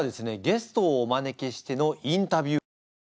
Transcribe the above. ゲストをお招きしてのインタビューコーナーです。